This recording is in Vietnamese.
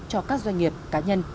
cho các doanh nghiệp cá nhân